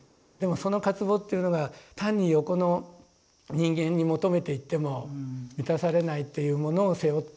でもその渇望っていうのが単に横の人間に求めていっても満たされないというものを背負っている。